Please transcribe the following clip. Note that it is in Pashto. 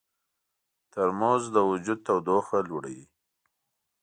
ترموز د وجود تودوخه لوړوي.